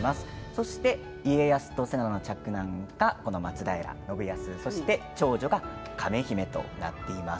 そして家康と瀬名の嫡男が松平信康長女が亀姫となっています。